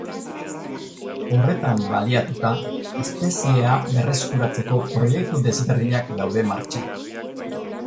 Horretan baliatuta espeziea berreskuratzeko proiektu desberdinak daude martxan.